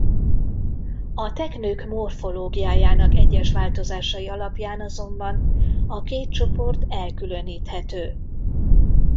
A teknők morfológiájának egyes változásai alapján azonban a két csoport elkülöníthető.